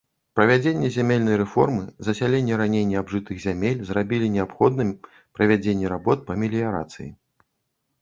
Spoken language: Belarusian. Правядзенне зямельнай рэформы, засяленне раней неабжытых зямель зрабілі неабходным правядзенне работ па меліярацыі.